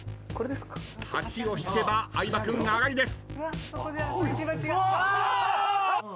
８を引けば相葉君上がりです。